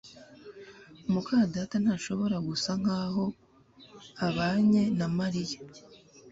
muka data ntashobora gusa nkaho abanye na Mariya